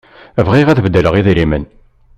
Bɣiɣ ad d-beddleɣ idrimen.